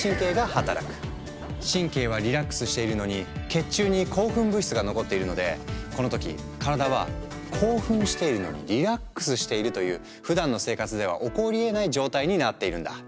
神経はリラックスしているのに血中に興奮物質が残っているのでこの時体は「興奮しているのにリラックスしている」というふだんの生活では起こりえない状態になっているんだ。